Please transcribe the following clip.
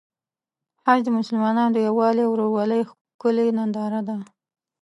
حج د مسلمانانو د یووالي او ورورولۍ ښکلی ننداره ده.